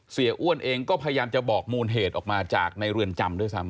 อ้วนเองก็พยายามจะบอกมูลเหตุออกมาจากในเรือนจำด้วยซ้ำ